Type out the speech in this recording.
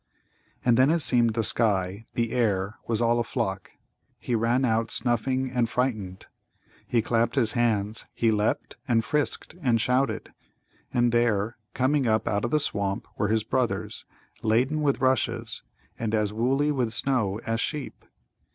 And then it seemed the sky, the air, was all aflock. He ran out snuffing and frightened. He clapped his hands; he leapt and frisked and shouted. And there, coming up out of the swamp, were his brothers, laden with rushes, and as woolly with snow as sheep.